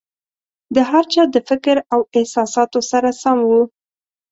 د هر چا د فکر او احساساتو سره سم وو.